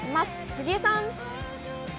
杉江さん。